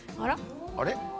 あれ？